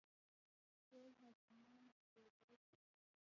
ټول حاکمان بې زړه شي.